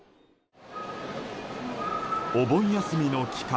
お盆休みの期間